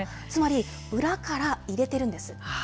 つまり、裏から入れてるんです。